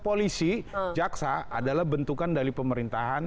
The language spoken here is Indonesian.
polisi jaksa adalah bentukan dari pemerintahan